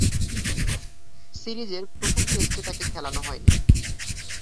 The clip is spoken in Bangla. সিরিজের প্রথম টেস্টে তাকে খেলানো হয়নি।